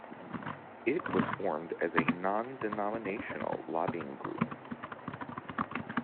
It was formed as a non-denominational lobbying group.